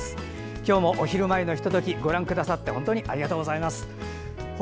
今日もお昼前のひとときご覧くださって本当にありがとうございました。